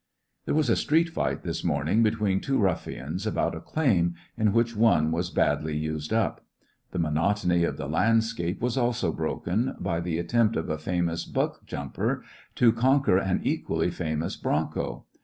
"There was a street fight this morning be tween two ruffians about a claim, in which one ^ was badly used up. The monotony of the I landscape was also broken by the attempt of ■ a famous * buck jumper * to conquer an equally I famous bronco.